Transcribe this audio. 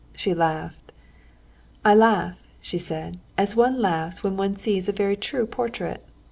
She laughed. "I laugh," she said, "as one laughs when one sees a very true portrait.